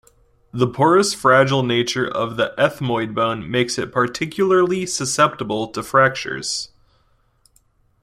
The porous fragile nature of the ethmoid bone makes it particularly susceptible to fractures.